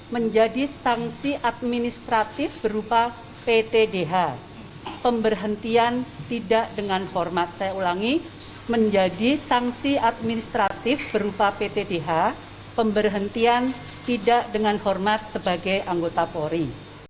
menjadi sanksi administratif berupa ptdh pemberhentian tidak dengan hormat sebagai anggota polri